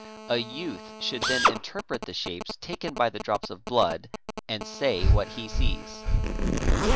A youth should then interpret the shapes taken by the drops of blood and say what he sees.